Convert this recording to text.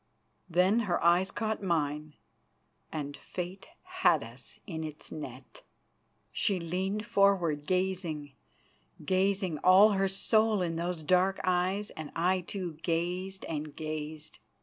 Then her eyes caught mine, and Fate had us in its net. She leaned forward, gazing, gazing, all her soul in those dark eyes, and I, too, gazed and gazed.